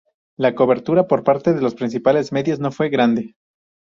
La cobertura por parte de los principales medios no fue grande.